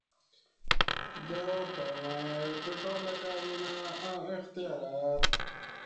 ده وفرمایل که ټوله کابینه او اختیارات.